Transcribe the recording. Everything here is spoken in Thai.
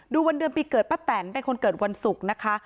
วันเดือนปีเกิดป้าแตนเป็นคนเกิดวันศุกร์นะคะ